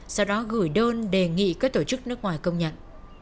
sau đó gửi đơn đề nghị các tổ chức nước ngoài công nhận